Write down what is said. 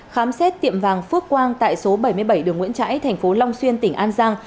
khám xét tiệm vàng phước quang tại số bảy mươi bảy đường nguyễn trãi thành phố long xuyên tỉnh an giang